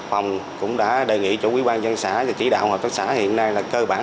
hồng cũng đã đề nghị chủ quý quan dân xã và chỉ đạo hợp tác xã hiện nay là cơ bản